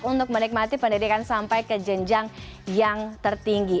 untuk menikmati pendidikan sampai ke jenjang yang tertinggi